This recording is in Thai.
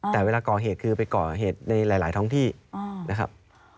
แต่เวลาก่อเหตุคือไปก่อเหตุในหลายท้องที่นะครับ